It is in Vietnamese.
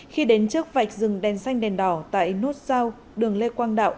khi đến trước vạch rừng đèn xanh đèn đỏ tại nốt giao đường lê quang đạo